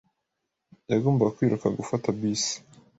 yagombaga kwiruka gufata bisi.